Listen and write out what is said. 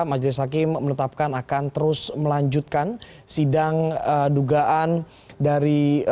majelis hakim menetapkan akan terus melanjutkan sidang dugaan dari